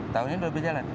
tahun ini udah berjalan